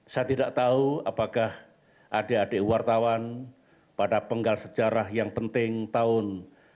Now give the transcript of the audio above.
saya tidak tahu apakah adik adik wartawan pada penggal sejarah yang penting tahun seribu sembilan ratus sembilan puluh delapan